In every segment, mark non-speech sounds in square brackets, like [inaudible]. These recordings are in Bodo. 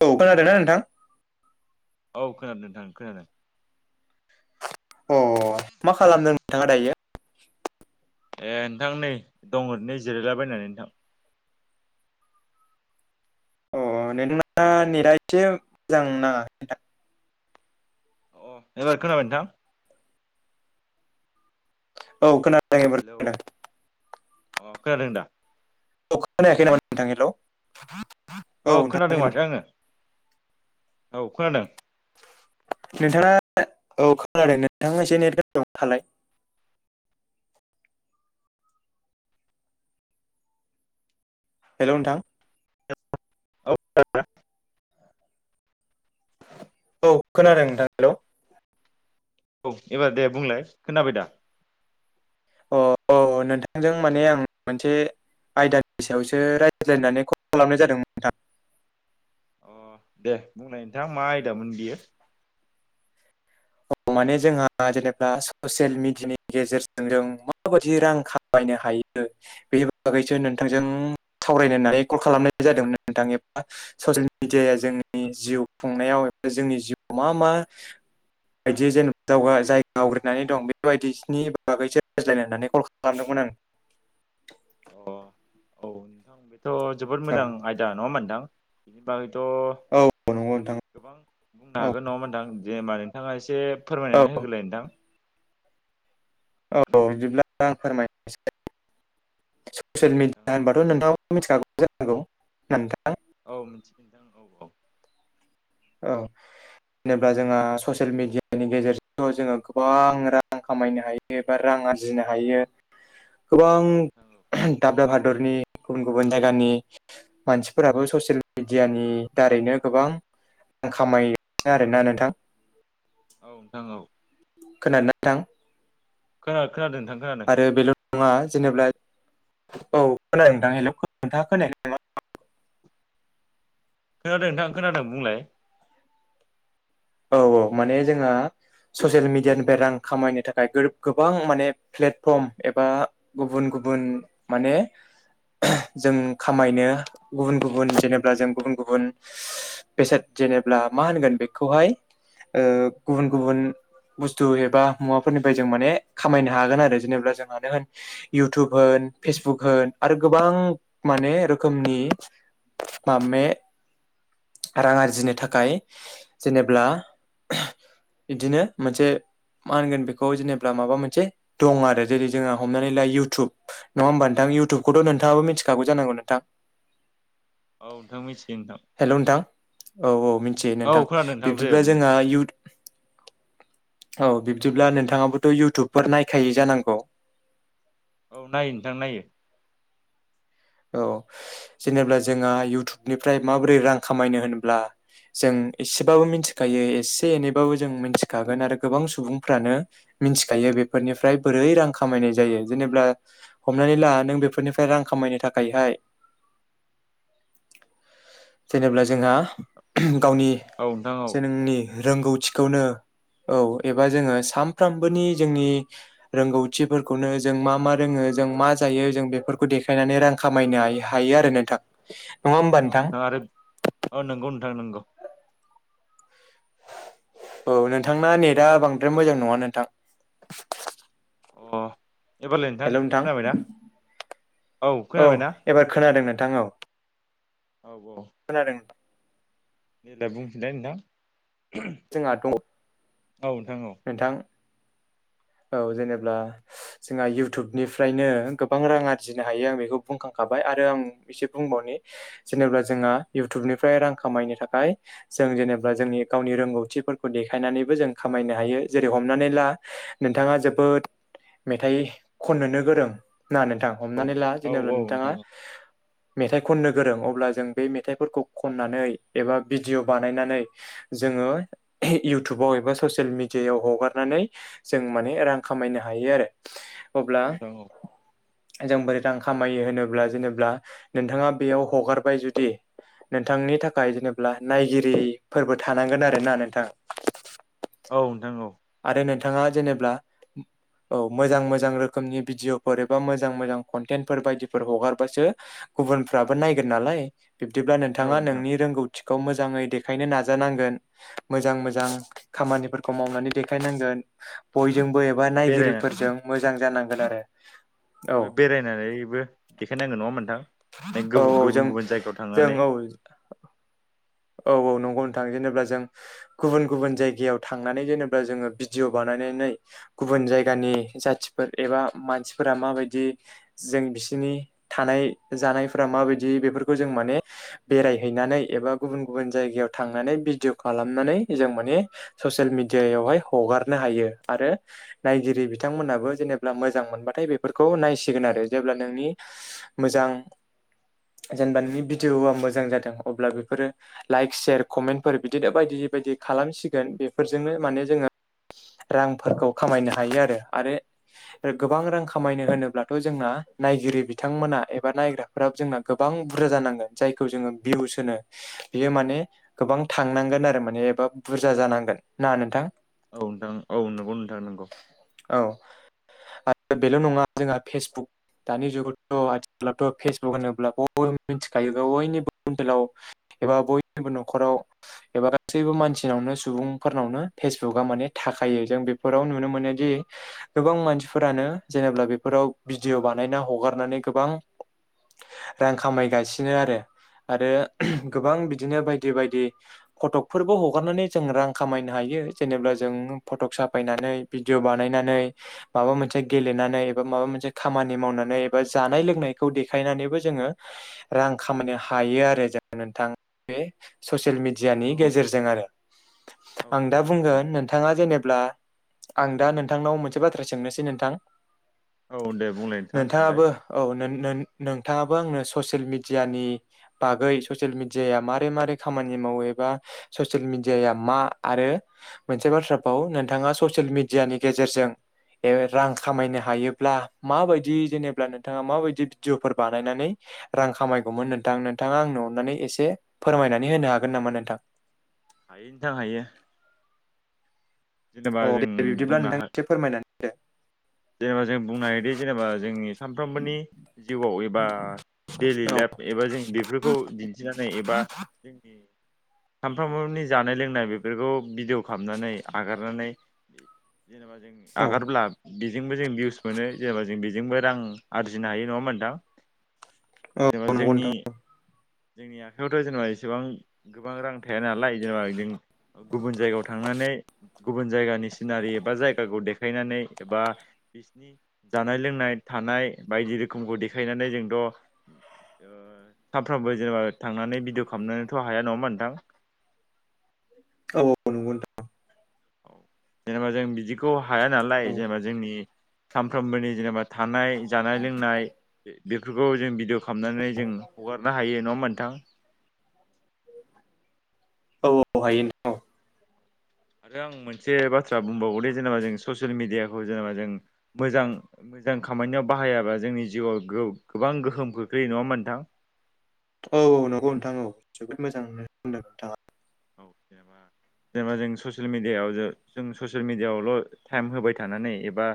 औ खोनादों ना नोंथां? औ खोनादों नोंथां खोनादों। अ मा खालामदों नोंथाङा दायो? ए नोंथां नै दं ओरैनो जिरायलाबायनानै नोंथां। अ नोंथांना नेटआ एसे मोजां नाङा [unintelligible] अ एबार खोनाबाय नोंथां? औ खोना हेलौ अ खोनादों दा? [unintelligible] खोनायाखै नामा नोंथां हेलौ औ नोंथां खोनादों हेलौ माथो आङो औ खोनादों। नोंथाङा औ खोनादों नोंथाङा एसे नेट गोनाङाव थालाय। हेलौ नोंथां। [unintelligible] औ खोनादों नोंथां हेलौ। औ एबार दे बुंलाय खोनाबाय दा? अ औ नोंथांजों माने आं मोनसे। आयदानि सायावसो रायज्लायनानै कल खालामनाय जादोंमोन नोंथां। अ दे बुंनाय नोंथाङा मा आयदामोन बियो? [inaudible] माने जोंहा जेनेबा ससियेल मेडियानि गेजेरजों जों माबायदि रां खामायनो हायो। बेनि बागैसो नोंथांजों सावरायनो होननानै कल खालामनाय जादोंमोन नोंथां एबा ससियेल मिडियाया जोंनि जिउ खुंनायाव जोंनि जिउआव मा मा? बायदि जेनेबा दावगा जायगा आवग्रिनानै दं बेबायदिनि बागैसो रायज्लायनानै कल खालामदोंमोन आं। अ औ नोंथां बेथ जोबोद औ मोजां आयदा नङा मोनथां बेनि बा थ औ नंगौ नोंथां गोबां बुंनो औ हागोन नङाहोनबा ओनथां जेनबा नोंथाङा एसे औ फोरमायनानै होग्रोलाय ओन्थां औ बिदिब्ला आं फोरमायसै औ ससियेल नोंथां मिडिया औ होनबाथ नोंथां मिथिखागौ जांगौ नथां। औ मिथिगोनथां औ औ औ। जेब्ला जोंहा ससियेल मिडियानि गेजेरजोंथ जोङो गोबां रां खामायनो हायो एबा राङा आरजिनो हायो [inaudible] नोंथां औ गोबां दाब दाब हादरनि गुबुन गुबुन जायगानि मानसिफोराबो ससियेल मेडियानि दारैनो गोबां। आं खामाय आरोना नोंथां। औ नोंथां औ। खोनानो थां खोन खोनादों नोंथां खोनानो। नङा जेनेब्ला औ खोनादोंथां हेलप खोन्था खोनायाखै ना मा? खोनादों नोंथां खोनादों बुंलाय? औ औ माने जोंहा ससियेल मिडियानिफ्राय रां खामायनो थाखाय गोर गोबां माने प्लेटफर्म एबा गुबुन गुबुन। गुबुन माने। जों खामायनो गुबुन गुबुन जेनेबा जों गुबुन गुबुन बेसाद जेनेमाब्ला मा होनगोन बेखौहाय गुबुन गुबुन बुस्थु एबा मुवाफोरनिफ्राय जों माने खामायनो हागोन आरो जेनेबा जोंहानो होन इउटुब ओ फेसबुक होन आरो गोबां माने रोखोमनि माबे रां आरजिनो थाखाय जेनेबा अब्ला बिदिनो मोनसे मा होनगोन बेखौ जेनेबा माबा मोनसे दं आरो जेरै जोंहा हमनानै ला इउटुब नङा होमबा नोंथां। आं इउथुबखौथ नोंथाङाबो मिथिखागौ जानांगौ नोंथां। औ नोंथां मिथियो। हेल नोंथां औ औ। थि नोंथां औ खोनादों नोंथां दे बिब्दिब्ला जोंहा मिथियो इउ औ बिब्दिब्ला नोंथाङाबोथ इउटुबफोर नायखायै जानांगौ औ नायो नोंथां नायो। औ जेनेबा जोंहा इउटुबनिफ्राय माबोरै रां खामायनो होनब्ला जों एसेबाबो मिथिखायो एसे एनैबाबो जों मिथिखागोन आरो गोबां सुबुंफ्रानो मिथिखायो बेफोरनिफ्राय बोरै रां खामायनाय जायो जेनेब्ला हमनानै ला नों बेफोरनिफ्राय रां खामायनो थाखाय खायहाय जेनेब्ला जोंहा गावनि औ नोंथां औ जे नोंनि रोंगौथिखौनो औ एबा जोङो सानफ्रामबोनि जोंनि रोंगौथिफोरखौनो जों मा मा रोङो जों मा जायो जों बेफोरखौ देखायनानै रां खामायनो हायो आरो नोंथां नङा होमबा औ नोंथां नोंथाङा आरो औ नंगौ नोंथां नंगौ औ नोंथांना नेटआ बांद्राय मोजां नङा नोंथां एबारलै नोंथां खोनाबायना? औ एबार खोनादों नोंथां औ औ औ खोनादों। देलाय बुंफिनलाय नोंथां जोंहाथ औ नोंथां औ [inaudible] औ जेनेब्ला जोंहा इउटुबनिफ्रायनो गोबां रां आरजिनो हायो आं बेखौ बुंखांखाबाय आरो आं एसे बुंबावनि [unintelligible] जेनेबा जोंहा इउटुबनिफ्राय रां खामायनो थाखाय जों जेनेबा जोंनि गावनि रोंगौथि थि फोरखौ देखायनानैबो जों खामायनो हायो जेरै हमनानै ला नोंथाङा जोबोद मेथाइ खननोनो गोरों होनना नोंथां हमनानै ला औ जेनेब्ला औ नोंथाङा नोंथां मेथाइ खननो गोरों अब्ला जों बे मेथाइफोरखौ खननानै एबा भिडिअ' बानायनानै जोङो इयउटुबाव एबा ससियेल मिडिया दियायाव हगारनानै जों माने रां खामायनो हायो आरो औ अब्ला नोंथां औ जों बोरै रां खामायो होनोब्ला जेनेब्ला नोंथाङा बेयाव हगारबाय जुदि नोंथांनि थाखाय जेनेब्ला नायगिरिफोरबो थानांगोन आरोना नोंथां औ नोंथां औ आरो नोंथाङा जेनेब्ला औ मोजां मोजां रोखोमनि भिडिअफोर एबा मोजां मोजां कनटेन्टफोर बायदिफोर हगारबासो गुबुनफ्राबो नायगोन नालाय बिब्दिब्ला नोंथाङा नोंथां नोंनि रोंगौथि थिखौ मोजाङै देखायनो नाजानांगोन मोजां मोजां खामानिफोरखौ मावनानै देखायनांगोन बयजोंबो एबा नायगिरिफोरजों मोजां जानांगोन आरो औ बेबो बेरायनानैबो देखायनांगोन नङा होनबा नोंथां? औ औ जों गुबुन गुबुन जायगायाव जों थांनानै औ औ औ नंगौ नोंथां जेनेबा जों गुबुन गुबुन जायगायाव थांनानै जेनेबा जोङो भिडिअ बानाय [unintelligible] नायो गुबुन जायगानि ज जाथिफोर एबा मानसिफोरा माबायदि जों बि बिसिनि थानाय जानायफोरा माबायदि बेफोरखौ जों माने बेरायहैनानै एबा गुबुन गुबुन जायगायाव थांनानै भिडिअ खालामनानै जों माने ससियेल मिडियायावहाय हगारनो हायो हायो आरो नायगिरि बिथांमोनहाबो जेनेबा मोजां मोनबाथाय बेफोरखौ नायसिगोन आरो जेब्ला नोंनि मोजां जेनेबा नोंनि भिडिअअआ मोजां जादों अब्ला बेफोरो लाइक सेशयार कमेन्टफोर बिदिनो बायदि बायदि खालामसिगोन बेफोरजोंनो माने जोङो रांफोरखौ खामायनो हायो आरो आरो गोबां रां खामायनो होनोब्लाथ' जोंना नायगिरि बिथांमोना एबा नायग्राफोराबो जोंना गोबां गोबां बुरजा जानांगोन जायखौ जोङो भिउस होनो बियो माने गोबां थांनांगोन आरो माने एबा बुरजा जानांगोन ना नोंथां औ नोंथां औ नंगौ नोंथां नंगौ औ [inaudible] आरो बेल' नङा जोंहा फेसबुक दानि जुगावथ' आथिखलावथ' फेसबुक होनोब्ला बयबो मिथिखायो बयनिबो मबाइलाव एबा बयनिबो न'खराव एबा गासैबो मानसिनावनो सुबुंफोरनावनो फेसबुकआ माने था थाखायो जों बेफोराव नुनो मोनोदि गोबां मानसिफोरानो जेनेबा बेफोराव भिडिअ बानाय हगारनानै गोबां रां खामायगासिनो आरो आरो औ नोंथां गोबां बिदिनो बायदि बायदि बायदि फट'कफोरबो हगारनानै जों रां खामायनो हायो जेनेबा जों फटक साफायनानै बिदिअ बानायनानै माबा मोनसे गेलेनानै बि माबा मोनसे खामानि मावनानै बा जानाय लोंनायखौ देखायनानैबो जोङो रां खामायनो हायो आरो जों नोंथां बे ससियेल मिडियानि औ औ गेजेरजों आरो आं दा नोंथां औ औ बुंगोन नोंथाङा जेनेब्ला आं दा नोंथांनाव मोनसे बाथ्रा सोंनोसै नोंथां औ दे बुंलाय नोंथां नोंलाय नोंथाङाबो औ नोन नोन नोंथाङाबो आंनो ससियेल मिडियानि बागै ससियेल मिदिया मारै मारै खामानि माव एबा ससियेल मिदिया मा आरो मोनसे बाथ्राखौव नोंथाङा ससियेल मिडियानि गेजेरजों रां खामायनो हायोब्ला माबायदि जेनेबा नोंथाङा माबायदि भिडिअफोर बानायनानै रां खामायगौमोन नोंथां नोंथाङा आंनाव अननानै एसे फोरमायनानै होनो हागोन नामा नोंथां? हायो नोंथां हायो। जेनेबा अ जों दे बिब्दिब्ला बुंनो नोंथां हा एसे फोरमायनानै होदो। जेनेबा जों बुंनो हायोदि जेनेबा जोंनि सानफ्रोमबोनि जिउआव एबा डेलि होदो लाइफ एबा जों बेफोरखौ दिन्थिनानै एबा जोंनि सामफ्रामबोनि जानाय लोंनाय बेफोरखौ भिडिअ खालामनानै हगारनानै जेनेबा जों औ आगारब्ला बेजोंबो जों भिउस मोनो जेनेबा जों बेजोंबो रां आरजिनो हायो नङा होमबा नोंथां? जेनेबा औ नंगौ जोंनि नोंथां औ जोंनि आखायावथ' जेनेबा एसेबां गोबां रां थाया नालाय जेनेबा जों गुबुन जायगायाव थांना नै गुबुन जायगानि सिनारि एबा जायगाखौ देखायनानै एबा बिसिनि जानाय लोंनाय थानाय बायदि रोखोमखौ देखायनानै जोंथ' ओ सानफ्रोमबो जेनेबा थांनानै भिडिअ खामनोथ' हाया नङा होमबा नोंथां? औ औ नंगौ नोंथां औ जेनेबा जों बिदिखौ हाया नालाय जेनेबा जोंनि सानफ्रोमबोनि जेनेबा थानाय जानाय लोंनाय बे-बेफोरखौ जों भिडिअ' खामनानै जों हगारनो हायो नङा होमबा नोंथां? [inaudible] औ औ हायो नोंथां औ आरो आं मोनसे बाथ्रा बुंबावगौ दे जेनेबा जों ससियेल मिडियाखौ जेनेबा जों मोजां मो जां खामानियाव बाहायाबा जोंनि जिउआव गो-गोबां गोहोम खोख्लैयो नङा ओमबा नोंथां? औ औ नंगौ नोंथां औ जोबोद मोजांखोनो होन्दों। औ जेनेबा जेनेबा जों ससियेल मिडियायाव जों ससियेल मिडियाआवल' टाइम होबाय थानो हानै एबा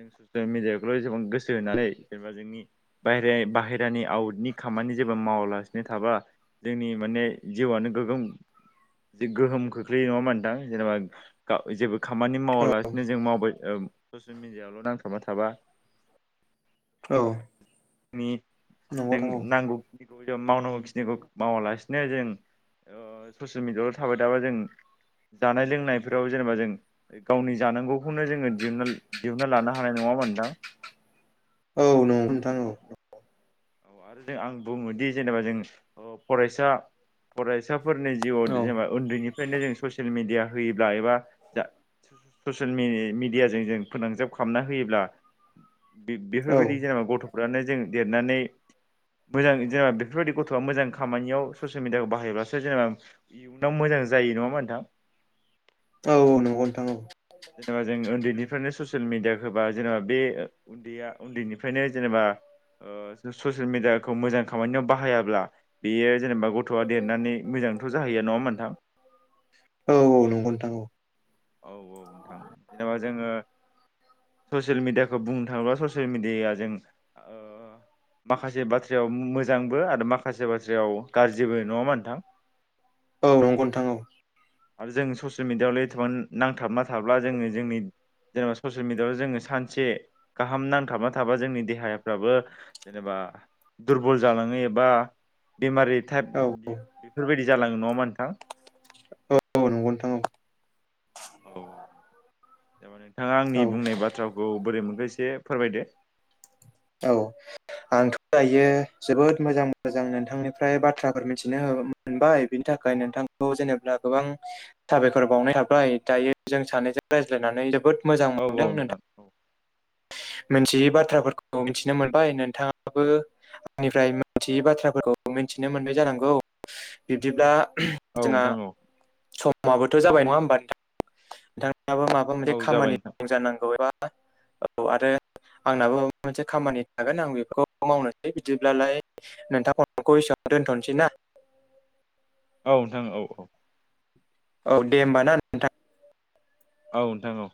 [unintelligible] गोसो होनानै जेनबा जोंनि बाहेरे-बाहेरा नि आउटनि खामानि जेबो मावालासिनो थाबा जोंनि माने जिउआनो गोग्गोम जे गोहोम खोख्लैयो नङा होनबा नोथां? जेनेबा गा जेबो खामानि औ मावालासिनो जों मावबाय ओ स'सियेल मिडियाआवल' नांथाबना थाबा औ नि नंगौ जों नोंथां औ नांगौखिनिखौ जों मावनांगौ खिनिखौ मावालासिनो जों ओ ससियेल मिडियाआवल' थाबाय थाबा जों जानाय लोंनायफोराव जेनेबा जों गावनि जानांगौखौनो जोङो दिहुनना दिहुनना लानो हानाय नङा। नङा होम्बा नोंथां? औ नंगौ नोंथां औ। औ आरो जों आं बुङोदि जेनेबा जों ओ फरायसा फरायसा फोरनि जिउआव औ जेनबा उन्दैनिफ्रायनो जों ससियेल मिडिया होयोब्ला एबा जा ससियेल मि-मिडियाजों जों फोनांजाब खालामना होयोब्ला औ बे-बेफोरबायदि जेनेबा गथ'फ्रानो जों देरनानै मोजां जेनेबा बेफोरबायदि गथ'आ मोजां खामानियाव ससियेल मिडियाखौ बाहायोब्लासो जेनेबा इयुनाव मोजां जा यो नङा ओमबा नोंथां? औ औ नंगौ नोंथां औ जेनेबा जों उन्दैनि फ्रायनो ससियेल मिडियाखो होबा जेनेबा बे उन्दैया उन्दैनिफ्रायनो जेनेबा ओ ससियेल मिडियाखौ मोजां खामानियाव बाहायाब्ला बेयो जेनेबा गथ'आ देरनानै मोजांथ' जाहैया नङा ओमबा नोंथां? औ औ नंगौ नोंथां औ। औ औ नोंथां। जेनेबा जोङो ससियेल मिडियाखौ बुंनो थाङोब्ला ससियेल मिडियाया जों ओ माखासे बाथ्रायाव मोजांबो आरो माखासे बाथ्रायाव गाज्रिबो नङा ओमबा नोंथां? [inaudible] औ नंगौ नोंथां औ। आरो जों ससियेल मिडियाआवल एथ'बां नांथाबना थाब्ला जोङो जोंनि जेनेबा ससियेल मिडिआयाव जोङो सानसे गाहाम नांथाबना थाबा जोंनि देहाफ्राबो जेनेबा दुरबल जालाङो एबा बेमारि टाइप औ बेफोरबायदि जालाङो नङा होमबा नोंथां। औ नंगौ नोंथां औ औ औ तारमाने नोंथाङा आंनि औ बुंनाय बाथ्राखौ बोरै मोनखो एसे एसे फोरमायदो। औ आंथ' दायो जोबोद मोजां मोजां नोंथांनिफ्राय बाथ्राफोर मिथिनो मोनबाय बिनि थाखाय थाखाय नोंथांखौ जेनेबा गोबां साबायखर बावनाय थाबाय दायो जों सानैजों रायज्लायनानै जोबोद औ औ नोंथां औ। मोनथियै बाथ्राफोरखौ मिथिनो मोनबाय नोंथाङाबो आंनिफ्राय मोनथियै बाथ्राफोरखौ मिन्थिनो मोनबाय जानांगौ बिब्दिब्ला औ जोंहा नोंथां औ समाबोथ' जाबाय नङा होमबा नोंथां नोंथाङाबो माबा मोनसे औ जाबाय खामानि नोंथां दं जानांगौ एबा औ आरो आंनाबो माबा मोनसे खामानि थागोन आं बेफोरखौ मावनोसै बिदिब्लालाय नोंथां खलखौ एसेयावनो दोनथ'नोसै ना। औ नोंथां औ औ औ दे होमबा ना नोंथां। औ नोंथां औ।